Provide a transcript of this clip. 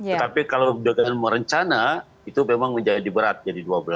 tetapi kalau dengan merencana itu memang menjadi berat jadi dua belas